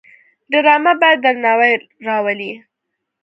ډرامه باید درناوی راولي